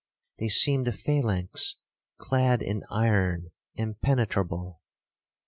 They seemed a phalanx clad in iron impenetrable.